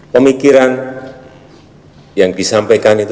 pemikiran yang disampaikan itu